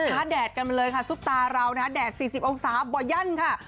แดดกันมาเลยค่ะซุปตาเรานะคะแดด๔๐องศาบ่อยั่นค่ะ